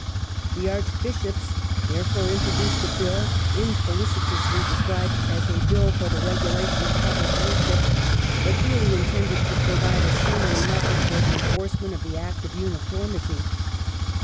The Archbishops, therefore, introduced a Bill, infelicitously des cribed as a Bill for the Regulation of Public Worship, but really intended to provide a summary method for the enforcement of the Act of Uniformity.